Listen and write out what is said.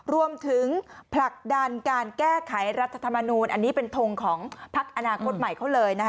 ผลักดันการแก้ไขรัฐธรรมนูลอันนี้เป็นทงของพักอนาคตใหม่เขาเลย